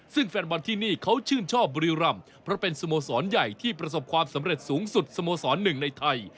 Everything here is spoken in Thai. ซึ่งแฟนบอลที่นี่เขาชื่นชอบบุรีรำเพราะเป็นสโมสรใหญ่ที่ประสบความสำเร็จสูงสุดสโมสรหนึ่งในไทย